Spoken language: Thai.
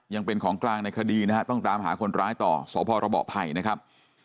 ยังเป็นของกลางในคดีนะฮะต้องตามหาคนร้ายต่อสพรบภัยนะครับ